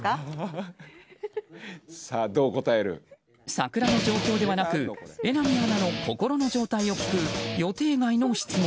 桜の状況ではなく榎並アナの心の状態を聞く予定外の質問。